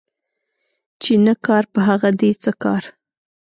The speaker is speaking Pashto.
چي نه کار ، په هغه دي څه کار